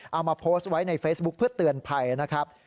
เอามาโพสต์ไว้ในเฟซบุ๊คเพื่อเตือนภัยนะครับ